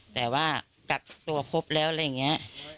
แต่ว่ากักตัวครบแล้วอะไรอย่างนี้